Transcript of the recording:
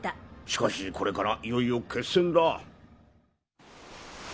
しかしこれからいよいよ決戦だ。